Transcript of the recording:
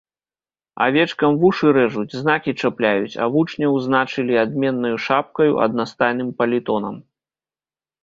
Авечкам вушы рэжуць, знакі чапляюць, а вучняў значылі адменнаю шапкаю, аднастайным палітонам.